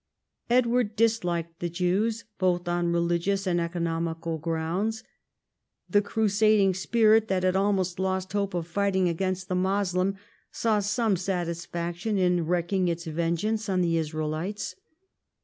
Edward disliked the Jews both on religious and economical grounds. The crusading spirit, that had almost lost hope of fighting against the Moslem, saw some satisfaction in wreaking its vengeance on the Israelites.